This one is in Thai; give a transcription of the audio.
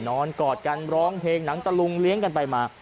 กอดกันร้องเพลงหนังตะลุงเลี้ยงกันไปมา